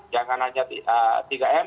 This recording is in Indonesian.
jangan hanya tiga m